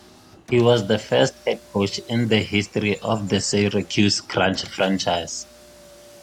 He was the first head coach in the history of the Syracuse Crunch franchise.